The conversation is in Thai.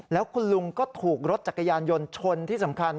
แล้วคุณลุงก็ถูกรถจักรยานยนต์ชนที่สำคัญ